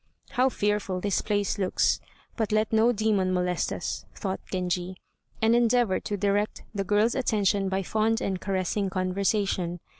"How fearful the place looks; but let no demon molest us," thought Genji, and endeavored to direct the girl's attention by fond and caressing conversation.